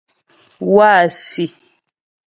Wâsi᷅.